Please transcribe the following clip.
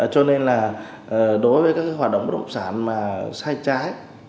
cho nên là đối với các hoạt động bất động sản mà sai trái